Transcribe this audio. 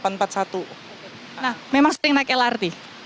nah memang sering naik lrt